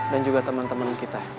dan juga temen temen kita